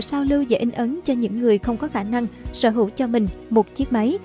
giao lưu và in ấn cho những người không có khả năng sở hữu cho mình một chiếc máy